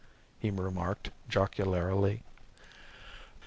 he remarked, jocularly.